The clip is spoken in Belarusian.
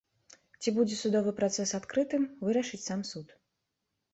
Ці будзе судовы працэс адкрытым, вырашыць сам суд.